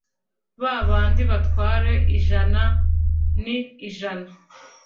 babandi batware ijana ni ijana